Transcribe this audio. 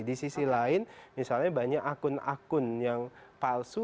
di sisi lain misalnya banyak akun akun yang palsu